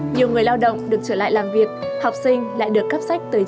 nhiều người lao động được trở lại làm việc học sinh lại được cấp sách tới trường